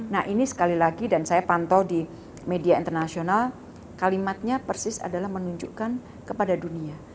nah ini sekali lagi dan saya pantau di media internasional kalimatnya persis adalah menunjukkan kepada dunia